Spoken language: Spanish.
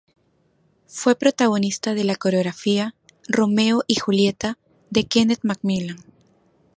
Fue protagonista de la coreografía "Romeo y Julieta" de Kenneth MacMillan.